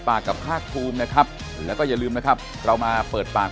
ปากกับภาคภูมินะครับแล้วก็อย่าลืมนะครับเรามาเปิดปาก